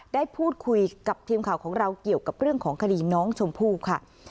ได้พูดคุยกับทีมข่าวของเราเกี่ยวกับเรื่องของคดีน้องชมพู่ค่ะ